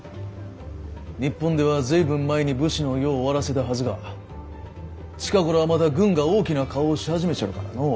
日本では随分前に武士の世を終わらせたはずが近頃はまた軍が大きな顔をし始めちょるからのう。